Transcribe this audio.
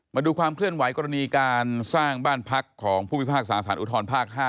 มาดูความเคลื่อนไหวกรณีการสร้างบ้านพักของผู้พิพากษาสารอุทธรภาค๕